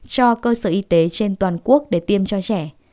cho cơ sở y tế trên toàn quốc để tiêm cho trẻ